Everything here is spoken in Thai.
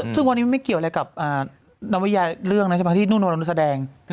ซึ่งวันนี้ไม่เกี่ยวอะไรกับนวัยเรื่องนะที่นู่นนุสแดง